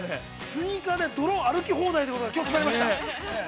◆スニーカーで泥、歩き放題ということがきょう決まりました。